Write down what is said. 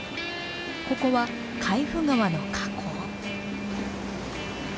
ここは海部川の河口。